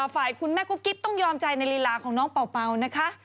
ฝ่ายคุณแม่กุ๊กกิ๊บต้องยอมใจในลีลาของน้องเป่านะคะ